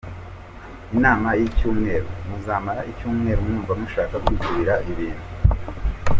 Inama z’icyumweru: muzamara icyumweru mwumva mushaka kwikubira ibintu.